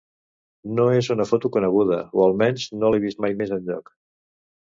No és una foto coneguda, o almenys no l'he vista mai més enlloc.